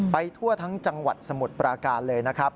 ทั่วทั้งจังหวัดสมุทรปราการเลยนะครับ